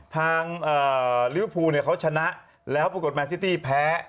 ทางลิวภูเขาชนะแล้วปรากฏแมนซิตี้แพ้